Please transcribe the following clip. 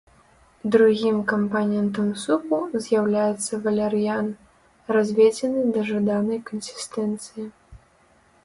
Другім кампанентам супу з'яўляецца валяр'ян, разведзены да жаданай кансістэнцыі.